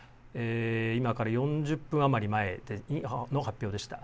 今から４０分余り前の発表でした。